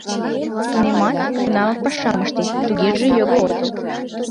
— Тунемат, тунамак пашам ыштет — тугеже його отыл...